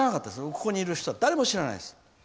ここにいる人は誰も知らないです。